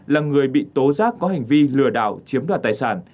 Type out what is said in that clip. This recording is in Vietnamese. là người bị tố giác có hành vi lừa đảo chiếm đoạt tài sản